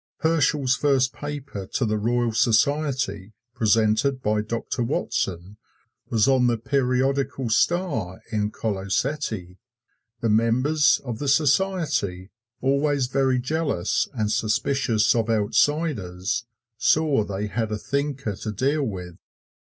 Herschel's first paper to the Royal Society, presented by Doctor Watson, was on the periodical star in Collo Ceti. The members of the Society, always very jealous and suspicious of outsiders, saw they had a thinker to deal with.